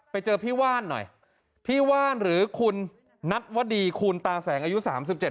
ไปเจอพี่ว่านหน่อยพี่ว่านหรือคุณนัทวดีคูณตาแสงอายุสามสิบเจ็ด